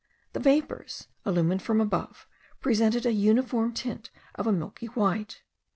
The vapours, illumined from above, presented a uniform tint of a milky white.